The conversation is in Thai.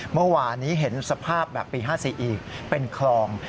เมื่อวานนี้เห็นสภาพแบบปี๕๔อีกเป็นคลอง